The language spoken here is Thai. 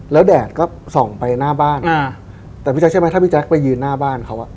แล้วแดดก็ส่องไปหน้าบ้านอ่าแต่พี่แจ๊เชื่อไหมถ้าพี่แจ๊คไปยืนหน้าบ้านเขาอ่ะ